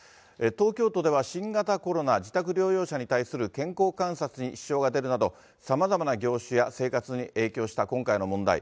東京都では新型コロナ自宅療養者に対する健康観察に支障が出るなど、さまざまな業種や生活に影響した今回の問題。